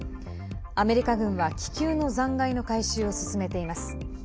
アメリカ軍は気球の残骸の回収を進めています。